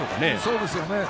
そうですよね。